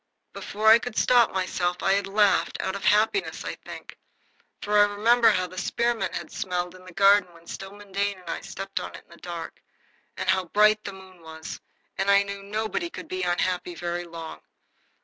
Before I could stop myself I had laughed, out of happiness, I think. For I remembered how the spearmint had smelled in the garden when Stillman Dane and I stepped on it in the dark and how bright the moon was, and I knew nobody could be unhappy very long.